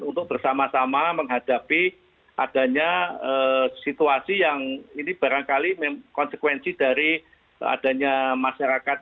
untuk bersama sama menghadapi adanya situasi yang ini barangkali konsekuensi dari adanya masyarakat